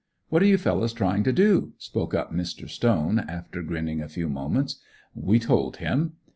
"What are you fellows trying to do?" spoke up Mr. Stone, after grinning a few moments. We told him.